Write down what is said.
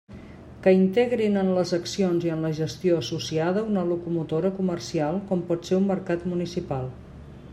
Que integrin en les accions i en la gestió associada una locomotora comercial, com pot ser un mercat municipal.